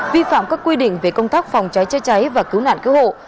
vi phạm các quy định về công tác phòng cháy chữa cháy và cứu nạn cứu hộ